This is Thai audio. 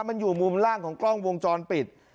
มันอยู่มุมล่างของกล้องวงจรปิด